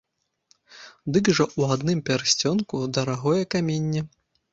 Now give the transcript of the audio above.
Дык жа ў адным пярсцёнку дарагое каменне!